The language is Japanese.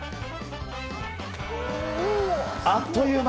あっという間！